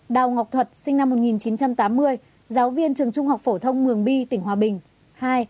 ba đào ngọc thuật sinh năm một nghìn chín trăm tám mươi giáo viên trường trung học phổ thông mường bi tỉnh hòa bình